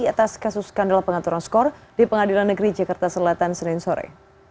atas kasus skandal pengaturan skor di pengadilan negeri jakarta selatan senin sore